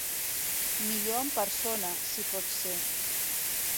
Millor en persona, si pot ser.